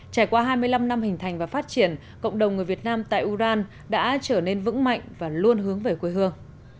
trải qua hai mươi năm năm hình thành và phát triển cộng đồng người việt nam tại uran đã trở nên vững mạnh và luôn hướng về quê hương